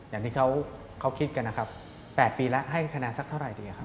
อย่างที่เขาคิดกันนะครับ๘ปีแล้วให้คะแนนสักเท่าไหร่ดีครับ